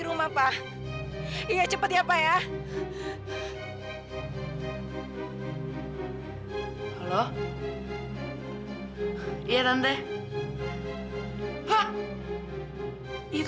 nah ketoakan itu sebelum memandang ingredients